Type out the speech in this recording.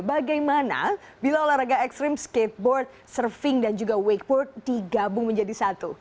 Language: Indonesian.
bagaimana bila olahraga ekstrim skateboard surfing dan juga wakeboard digabung menjadi satu